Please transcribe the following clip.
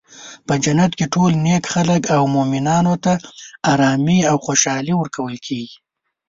په جنت کې ټول نیک خلک او مومنانو ته ارامي او خوشحالي ورکړل کیږي.